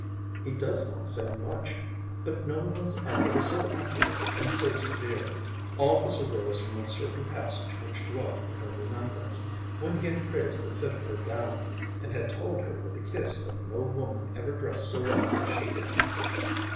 He does not say much, but no one's eye is so accurate and so severe." All this arose from a certain passage which dwelt in her remembrance, when he had praised the fit of her gown, and had told her with a kiss that no woman ever dressed so well as she did.